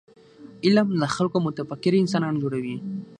علم له خلکو متفکر انسانان جوړوي.